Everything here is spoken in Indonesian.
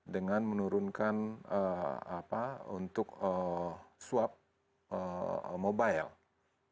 dengan menurunkan untuk swab mobile